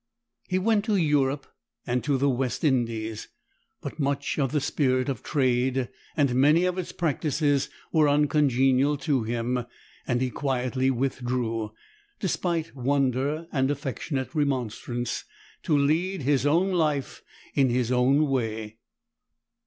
He went to Europe and to the West Indies, but much of the spirit of trade and many of its practices were uncongenial to him, and he quietly withdrew, despite wonder and affectionate remonstrance, to lead his own life in his own way.